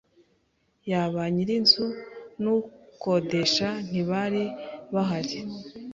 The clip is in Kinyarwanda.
yaba nyir’inzu n’ukodesha ntibari bahari.